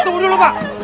tunggu dulu pak